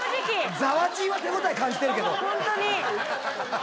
ざわちんは手応え感じてるけど。